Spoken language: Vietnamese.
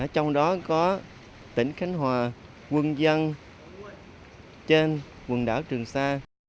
trong đó có tỉnh khánh hòa quân dân trên quần đảo trường sa